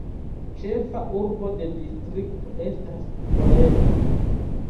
Ĉefa urbo de distrikto estas Zvolen.